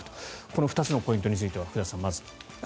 この２つのポイントについては福田さん、まず。